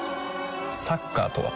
サッカーとは？